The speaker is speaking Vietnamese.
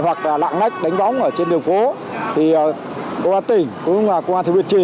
hoặc là lạng lách đánh bóng ở trên đường phố thì công an tỉnh cũng như công an thủ viện trì